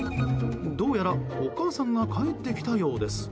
どうやらお母さんが帰ってきたようです。